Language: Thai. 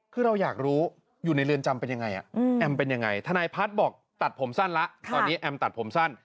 คือเราอยากรู้อยู่ในเรือนจำเป็นยังไงแอมเป็นยังไงทนายพัฒน์บอกตัดผมสั้นแล้วตอนนี้แอมตัดผมสั้น